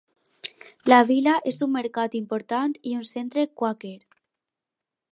La vila és un mercat important i un centre quàquer.